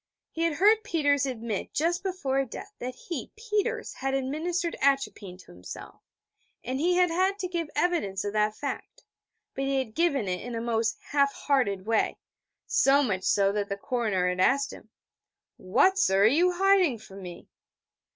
He had heard Peters admit just before death that he, Peters, had administered atropine to himself: and he had had to give evidence of that fact. But he had given it in a most half hearted way, so much so, that the coroner had asked him: 'What, sir, are you hiding from me?'